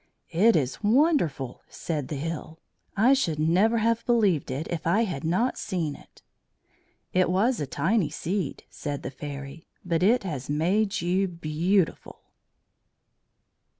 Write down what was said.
"It is wonderful!" said the Hill. "I should never have believed it if I had not seen it." "It was a tiny seed," said the Fairy, "but it has made you beautiful."